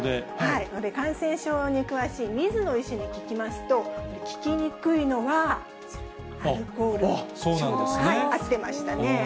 感染症に詳しい水野医師に聞きますと、効きにくいのはこちら、アルコール消毒、合ってましたね。